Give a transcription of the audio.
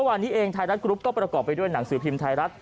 วันนี้เองไทยรัฐกรุ๊ปก็ประกอบไปด้วยหนังสือพิมพ์ไทยรัฐ